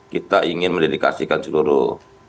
kita ingin mendedikasikan seluruh